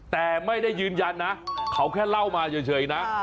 แต่ไม่ได้ยืนยันนะเขาแค่เล่ามาเฉยนะ